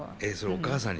お母さんに？